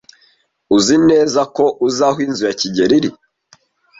Uzi neza ko uzi aho inzu ya kigeli iri?